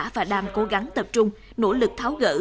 và đang cố gắng tập trung nỗ lực tháo gỡ